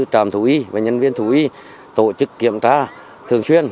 trạm thú y và nhân viên thú y tổ chức kiểm tra thường xuyên